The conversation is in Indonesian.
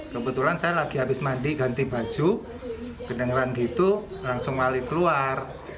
kebetulan saya lagi habis mandi ganti baju kedengeran gitu langsung lari keluar